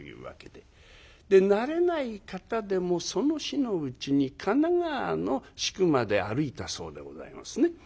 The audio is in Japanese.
で慣れない方でもその日のうちに神奈川の宿まで歩いたそうでございますね。